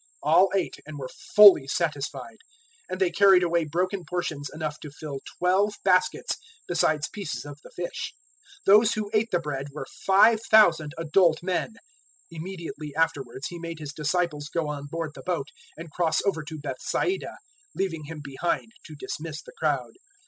006:042 All ate and were fully satisfied. 006:043 And they carried away broken portions enough to fill twelve baskets, besides pieces of the fish. 006:044 Those who ate the bread were 5,000 adult men. 006:045 Immediately afterwards He made His disciples go on board the boat and cross over to Bethsaida, leaving Him behind to dismiss the crowd.